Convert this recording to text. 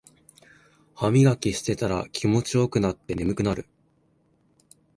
ハミガキしてたら気持ちよくなって眠くなる